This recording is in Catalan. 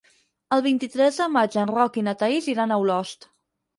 El vint-i-tres de maig en Roc i na Thaís iran a Olost.